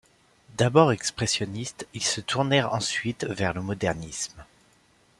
D'abord expressionnistes ils se tournèrent ensuite vers le Modernisme.